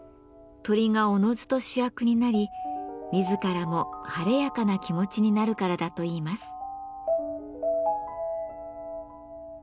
鳥がおのずと主役になり自らも晴れやかな気持ちになるからだといいます。